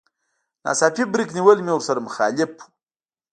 ناڅاپي بريک نيول مې ورسره مخالف و.